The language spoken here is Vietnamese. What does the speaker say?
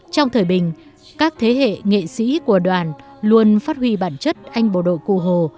trong thời bình các thế hệ nghệ sĩ của đoàn luôn phát huy bản chất anh bộ đội cụ hồ